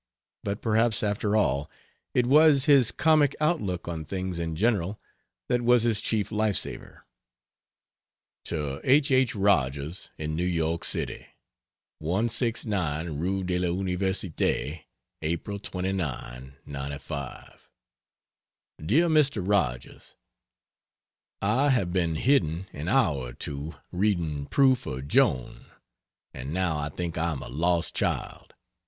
But perhaps, after all, it was his comic outlook on things in general that was his chief life saver. To H. H. Rogers, in New York City: 169 RUE DE L'UNIVERSITE, Apr. 29, '95. DEAR MR. ROGERS, I have been hidden an hour or two, reading proof of Joan and now I think I am a lost child.